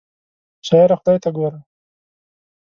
شاعره خدای ته ګوره!